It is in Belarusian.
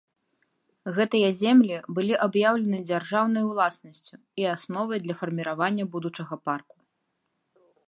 Гэтыя землі былі аб'яўлены дзяржаўнай уласнасцю і асновай для фарміравання будучага парку.